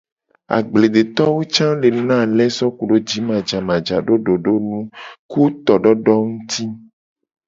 Agbledetowo ca le na ale so kudo jimajaja do dodonu nguti ku tododowo nguti.